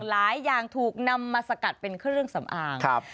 หลายอย่างถูกนำมาสกัดเป็นเครื่องสำอางครับ